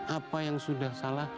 apa yang sudah salah